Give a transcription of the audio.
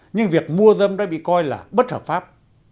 nhưng việc mua dâm đã bị coi là bất hợp pháp